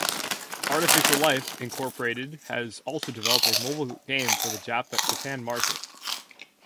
Artificial Life, Incorporated has also developed a mobile game for the Japan market.